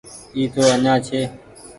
اي تو ڃآن ڇي۔